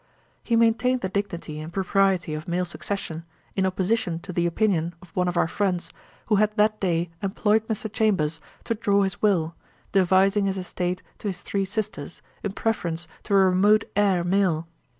He maintained the dignity and propriety of male succession, in opposition to the opinion of one of our friends, who had that day employed Mr. Chambers to draw his will, devising his estate to his three sisters, in preference to a remote heir male.